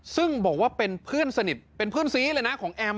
ซึ่งบอกว่าเป็นเพื่อนสนิทเป็นเพื่อนซีเลยนะของแอม